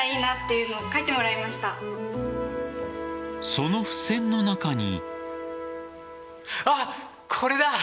その付箋の中に。